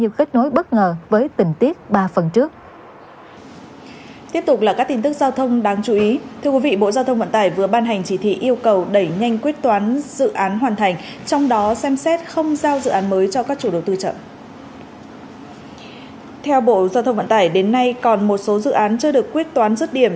theo bộ giao thông vận tải đến nay còn một số dự án chưa được quyết toán rứt điểm